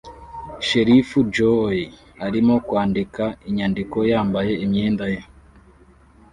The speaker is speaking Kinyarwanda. shelifu Joey arimo kwandika inyandiko yambaye imyenda ye